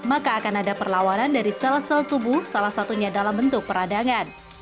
maka akan ada perlawanan dari sel sel tubuh salah satunya dalam bentuk peradangan